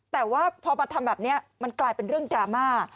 แต่ว่าพอมาทำแบบนี้มันกลายเป็นเรื่องดราม่า